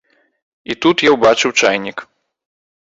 І тут я ўбачыў чайнік.